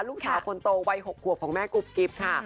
ลูกสาวคนโตวัย๖ขวบของแม่กุ๊บกิ๊บค่ะ